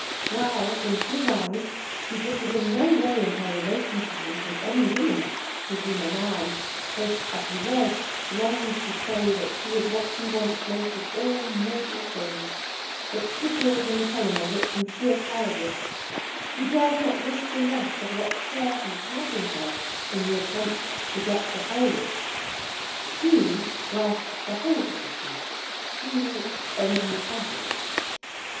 While, in his eyes, she differed in no way in her relation to him from any woman, to whom a man, placed as he was, longs to say that she is what he wants most of all mortal things, but stickles in the telling of it, from sheer cowardice; who dares not risk the loss of what share he has in her in the attempt to get the whole. She grasped the whole position, he only part of it.